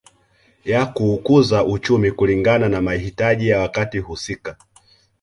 Ya kuukuza uchumi kulingana na mahitaji ya wakati husika